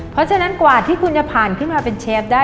เพราะฉะนั้นกว่าที่คุณจะผ่านขึ้นมาเป็นเชฟได้